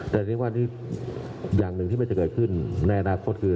แต่ในวันนี้อย่างหนึ่งที่มันจะเกิดขึ้นในอนาคตคือ